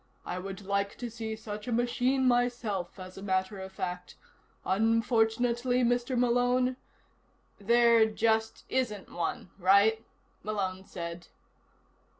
I would like to see such a machine myself, as a matter of fact. Unfortunately, Mr. Malone " "There just isn't one, right?" Malone said.